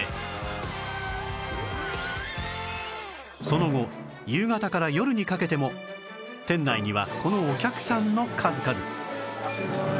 その後夕方から夜にかけても店内にはこのお客さんの数々